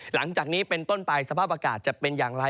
หลังจากนี้เป็นต้นไปสภาพอากาศจะเป็นอย่างไร